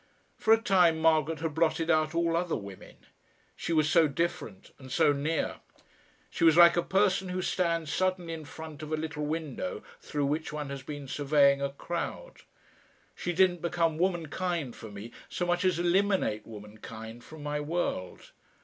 For a time Margaret had blotted out all other women; she was so different and so near; she was like a person who stands suddenly in front of a little window through which one has been surveying a crowd. She didn't become womankind for me so much as eliminate womankind from my world....